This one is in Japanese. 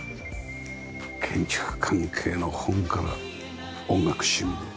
建築関係の本から音楽趣味。